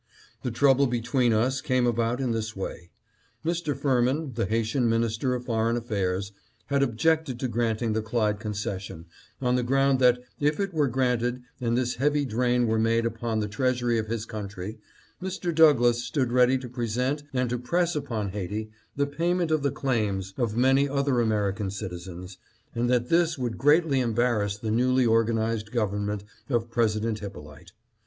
" The trouble between us came about in this way : Mr. Firmin, the Haitian Minister of Foreign Affairs, had objected to granting the Clyde concession on the ground that, if it were granted and this heavy drain were made upon the treasury of his country, Mr. Douglass stood ready to present and to press upon Haiti the payment of the claims of many other American citizens, and that this would greatly embarrass the newly organized government of President Hyppolite.